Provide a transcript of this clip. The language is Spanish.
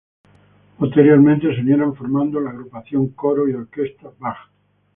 Posteriormente se unieron formando la agrupación Coro y orquesta Bach.